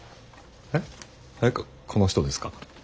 えっこの人ですか？